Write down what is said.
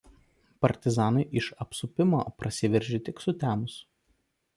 Partizanai iš apsupimo prasiveržė tik sutemus.